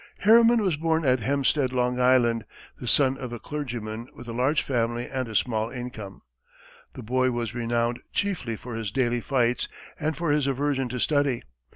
Harriman was born at Hempstead, Long Island, the son of a clergyman with a large family and a small income. The boy was renowned chiefly for his daily fights and for his aversion to study.